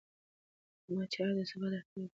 عامه چارې د ثبات اړتیا ده.